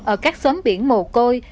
ở các xóm biển mù côi